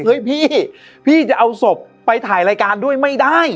พี่พี่จะเอาศพไปถ่ายรายการด้วยไม่ได้